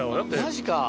マジか。